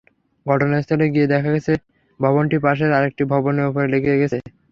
ঘটনাস্থলে গিয়ে দেখা গেছে, ভবনটি পাশের আরেকটি ভবনের ওপর লেগে গেছে।